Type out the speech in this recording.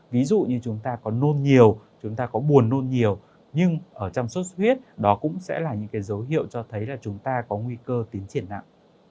ví dụ như chúng ta có nôn nhiều chúng ta có buồn nôn nhiều nhưng ở trong sốt xuất huyết đó cũng sẽ là những cái dấu hiệu cho thấy là chúng ta có nguy cơ tiến triển nặng